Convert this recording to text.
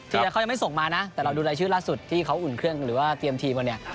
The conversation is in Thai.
เขายังไม่ส่งมานะแต่เราดูรายชื่อล่าสุดที่เขาอุ่นเครื่องหรือว่าเตรียมทีมกันเนี่ย